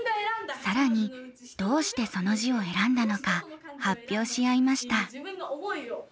更にどうしてその字を選んだのか発表し合いました。